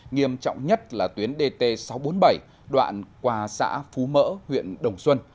nghiêm trọng nhất là tuyến dt sáu trăm bốn mươi bảy đoạn qua xã phú mỡ huyện đồng xuân